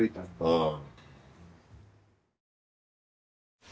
うん。